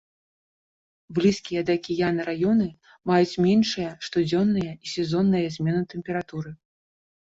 Блізкія да акіяна раёны маюць меншыя штодзённыя і сезонныя змены тэмпературы.